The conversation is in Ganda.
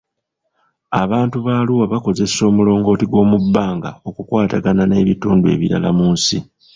Abantu ba Arua baakozesa omulongooti gw'omubbanga okukwatagana n'ebitundu ebirala mu nsi.